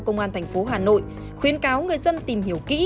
công an thành phố hà nội khuyến cáo người dân tìm hiểu kỹ